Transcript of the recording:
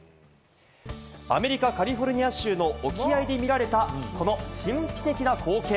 アメリカ、カリフォルニア州の沖合で見られた、この神秘的な光景。